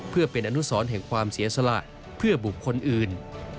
เพื่อเป็นอนุสรแห่งความเสียสละเพื่อบุคคลอื่น